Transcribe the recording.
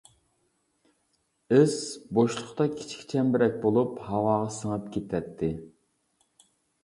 ئىس بوشلۇقتا كىچىك چەمبىرەك بولۇپ ھاۋاغا سىڭىپ كېتەتتى.